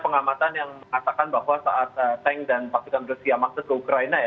pengamatan yang mengatakan bahwa saat tank dan pasukan rusia masuk ke ukraina ya